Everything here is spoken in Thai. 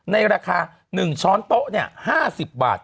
ในราคา๑ช้อนโต๊ะ๕๐บาท